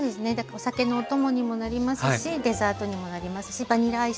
お酒のお供にもなりますしデザートにもなりますしバニラアイスとか。